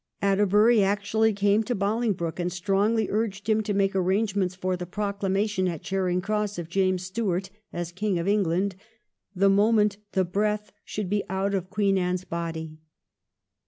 Atterbury actually came to Bolingbroke and strongly urged him to make arrangements for the proclamation at Charing Cross of James Stuart as King of England, the moment the breath should be out of Queen Anne's body.